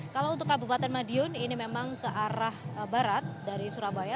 kalau untuk kabupaten madiun ini memang ke arah barat dari surabaya